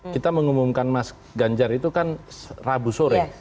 kita mengumumkan mas ganjar itu kan rabu sore